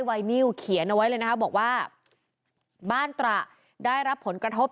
ไวนิวเขียนเอาไว้เลยนะคะบอกว่าบ้านตระได้รับผลกระทบ